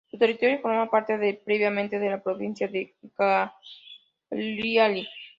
Su territorio formaba parte, previamente, de la provincia de Cagliari.